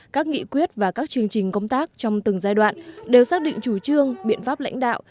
các nghị quyết và các chương trình công tác trong từng giai đoạn đều xác định chủ trương biện pháp lãnh đạo